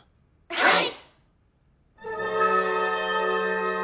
はい！